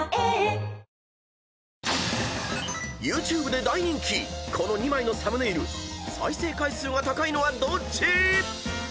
［ＹｏｕＴｕｂｅで大人気この２枚のサムネイル再生回数が高いのはどっち⁉］